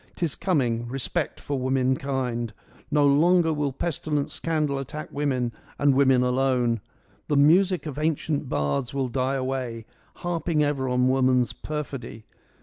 Tis coming — respect for womankind. No longer will pestilent scandal attack women, and women alone. The music of ancient bards will die away, harping ever on woman's perfidy.